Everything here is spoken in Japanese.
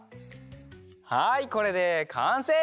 はいこれでかんせい！